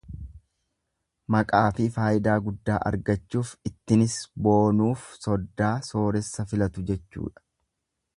Maqaafi faayidaa guddaa argachuuf ittinis boonuuf soddaa sooressa filatu jechuudha.